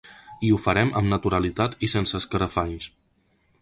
I ho farem amb naturalitat i sense escarafalls.